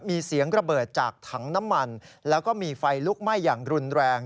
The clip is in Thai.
มีเสียงระเบิดจากถังน้ำมันแล้วก็มีไฟลุกไหม้อย่างรุนแรง